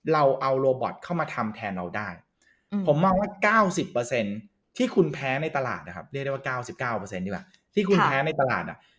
เราเอาโรบอตเข้ามาทำแทนเราได้ผมมองว่า๙๐ที่คุณแพ้ในตลาดนะครับเรียกได้ว่า๙๙ดีกว่าที่คุณแพ้ในตลาดอ่ะ